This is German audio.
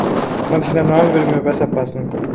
Zwanzig nach neun würde mir besser passen.